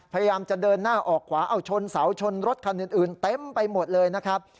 พยายามจะเดินหน้าออกขวาเอาชนเสาชนรถคันอื่นเต็มไปหมดเลยนะครับ